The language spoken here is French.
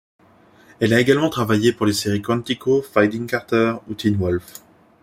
Elle a également travaillé pour les séries Quantico, Finding Carter ou Teen Wolf.